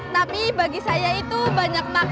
tapi bagi saya itu banyak manfaat